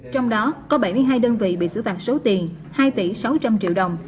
trong đó có bảy mươi hai đơn vị bị xử phạt số tiền hai tỷ sáu trăm linh triệu đồng